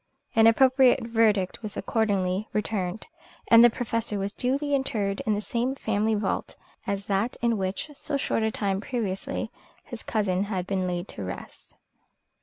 An appropriate verdict was accordingly returned, and the Professor was duly interred in the same family vault as that in which so short a time previously his cousin had been laid to rest.